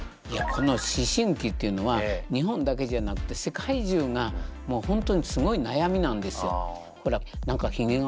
いやこの思春期っていうのは日本だけじゃなくて世界中がもうほんとにすごい悩みなんですよ。